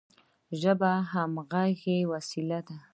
ژبه د همږغی وسیله ده.